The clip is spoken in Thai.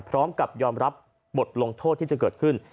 พร้อมกับยอมรับบทลงโทษที่จะเกิดขึ้น